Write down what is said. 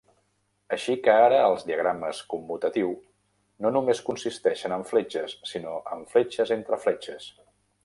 Així que ara els diagrames commutatiu no només consisteixen en fletxes, si no en fletxes entre fletxes.